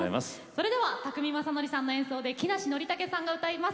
それでは宅見将典さんの演奏で木梨憲武さんが歌います。